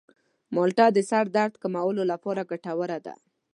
مالټه د سر درد کمولو لپاره ګټوره ده.